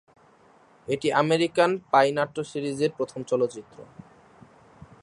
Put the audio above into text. এটি American Pie নাট্য সিরিজের প্রথম চলচ্চিত্র।